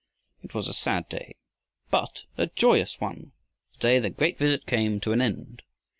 It was a sad day but a joyous one the day that great visit came to an end.